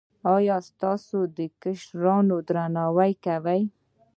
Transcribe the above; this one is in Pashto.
ایا ستاسو کشران درناوی کوي؟